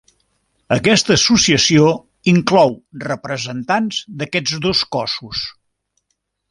Aquesta associació inclou representants d'aquests dos cossos.